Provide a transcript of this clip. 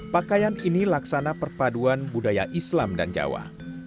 pakaian ini laksana perpaduan budaya islam dan jawa